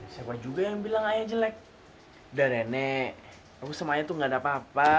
siapa juga yang bilang ayah jelek udah nenek aku semuanya tuh gak ada apa apa